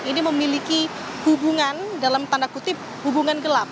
ini memiliki hubungan dalam tanda kutip hubungan gelap